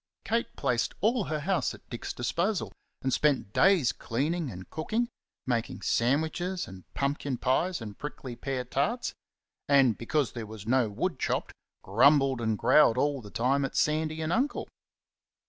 Kate placed all her house at Dick's disposal, and spent days cleaning and cooking making sandwiches and pumpkin pies and prickly pear tarts; and, because there was no wood chopped, grumbled and growled all the time at Sandy and Uncle.